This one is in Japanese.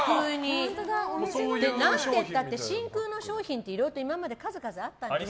何てったって真空の商品っていろいろと今まで数々あったんですよ。